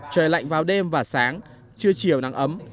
trời lạnh vào đêm và sáng chưa chiều nắng ấm